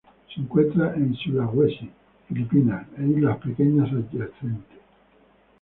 Se encuentra en Sulawesi, Filipinas, e islas pequeñas adyacentes.